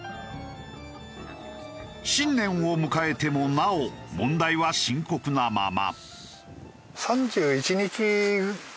新年を迎えてもなお問題は深刻なまま。